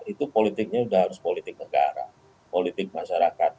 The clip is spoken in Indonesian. itu politiknya udah harus politik negara politik masyarakat